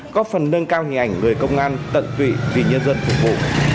có phần nâng cao hình ảnh người công an tận tụy vì nhân dân phục vụ